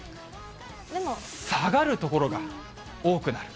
下がる所が多くなる。